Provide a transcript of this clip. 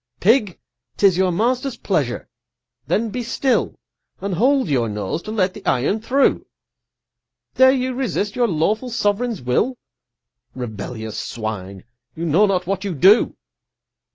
Pig! 'tis your master's pleasureâthen be still, And hold your nose to let the iron through! Dare you resist your lawful Sovereign's will? Rebellious Swine! you know not what you do!